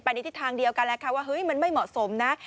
ในทิศทางเดียวกันแล้วค่ะว่าเฮ้ยมันไม่เหมาะสมนะ